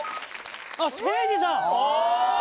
あっせいじさん！